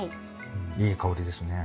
いい香りですね。